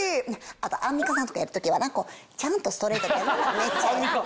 あとアンミカさんとかやる時はなちゃんとストレートでやるのもめっちゃええ。